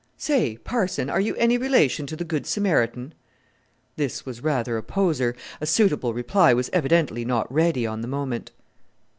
"Say! Parson, are you any relation to the Good Samaritan?" This was rather a poser; a suitable reply was evidently not ready on the moment.